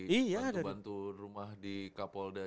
bantu bantu rumah di kapolda